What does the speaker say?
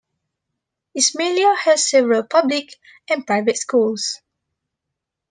Ismailia has several public and private schools.